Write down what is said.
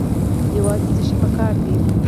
یوازې څه شی پکار دی؟